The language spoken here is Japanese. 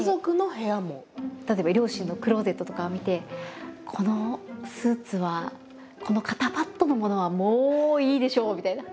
例えば両親のクローゼットとかを見てこのスーツはこの肩パッドのものはもういいでしょう！みたいな。